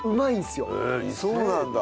そうなんだ。